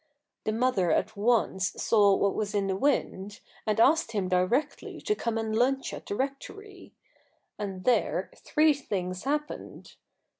The mother at once saw what was in the wind, and asked him directly to come and lunch at the rectory. And there three things happened.